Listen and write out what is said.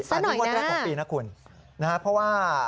สักหน่อยนะนี่งวดแรกของปีนะคุณนะฮะเพราะว่า